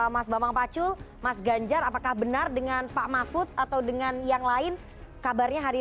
mas bambang pacu mas ganjar apakah benar dengan pak mahfud atau dengan yang lain kabarnya hari